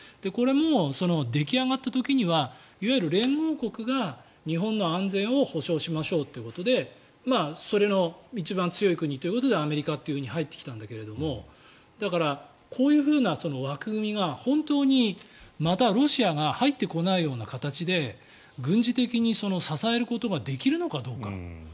これも出来上がった時にはいわゆる連合国が日本の安全を保障しましょうってことでその一番強い国ということでアメリカというふうに入ってきたんだけどだから、こういうふうな枠組みが本当にまたロシアが入ってこないような形で軍事的に支えることができるのかどうか。